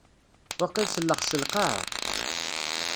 Waqil telxes lqaɛa.